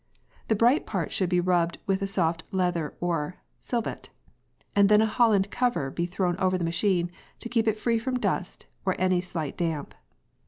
The bright parts should be rubbed with a soft leather or "selvyt," and then a Holland cover be thrown over the machine, to keep it free from dust or any slight damp.